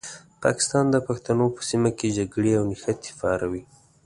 پاکستان د پښتنو په سیمه کې جګړې او نښتې پاروي.